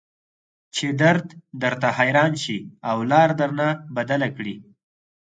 چې درد درته حيران شي او لار درنه بدله کړي.